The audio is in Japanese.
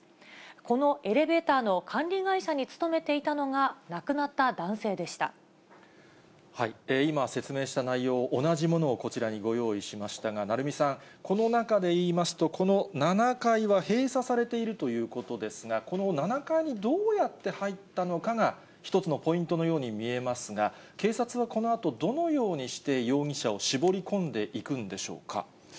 このエレベーターの管理会社に勤めていたのが亡くなった男性でし今、説明した内容を、同じものをこちらにご用意しましたが、鳴海さん、この中でいいますと、この７階は閉鎖されているということですが、この７階にどうやって入ったのかが、一つのポイントのように見えますが、警察はこのあと、どのようにして容疑者を絞り込んでいくんでしょうか。